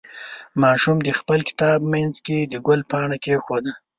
ماشوم د خپل کتاب منځ کې د ګل پاڼه کېښوده.